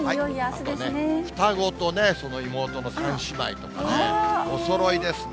双子とね、その妹の３姉妹とかね、おそろいですね。